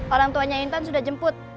orang tuanya intan sudah jemput